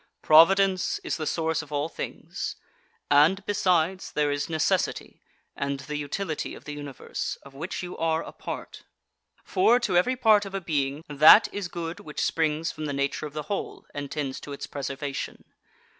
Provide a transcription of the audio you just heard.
Providence is the source of all things; and, besides, there is necessity, and the utility of the Universe, of which you are a part. For, to every part of a being, that is good which springs from the nature of the whole and tends to its preservation.